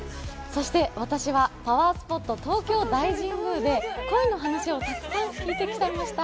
そして私はパワースポット、東京大神宮で恋の話をたくさん聞いてきちゃいました。